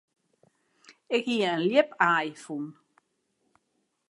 Ik hie in ljipaai fûn.